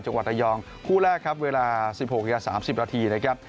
จังหวัดอายองคู่แรกครับเวลา๑๖๓๐นนะครับ